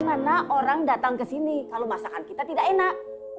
karena orang datang ke sini kalau masakan kita tidak enak